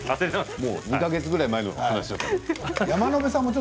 もう２か月ぐらい前の話だったんで。